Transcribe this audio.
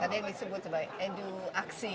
tadi yang disebut juga edu aksi